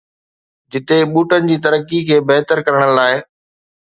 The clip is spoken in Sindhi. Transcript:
جتي ٻوٽن جي ترقي کي بهتر ڪرڻ لاء